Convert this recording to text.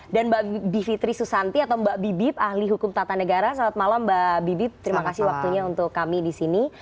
dan mbak bivitri susanti atau mbak bibip ahli hukum tata negara selamat malam mbak bibip terima kasih waktunya untuk kami di sini